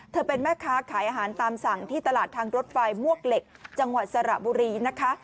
เป็นแม่ค้าขายอาหารตามสั่งที่ตลาดทางรถไฟมวกเหล็กจังหวัดสระบุรีนะคะ